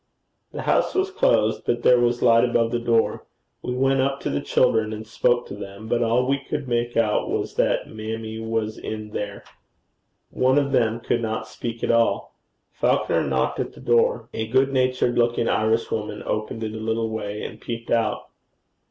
The house was closed, but there was light above the door. We went up to the children, and spoke to them, but all we could make out was that mammie was in there. One of them could not speak at all. Falconer knocked at the door. A good natured looking Irishwoman opened it a little way and peeped out.